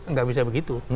nggak bisa begitu